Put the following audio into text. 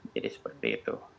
jadi seperti itu